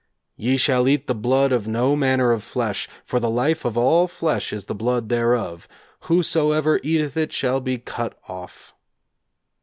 'Ye shall eat the blood of no manner of flesh: for the life of all flesh is the blood thereof: whosoever eateth it shall be cut off.'